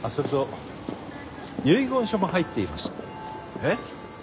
えっ？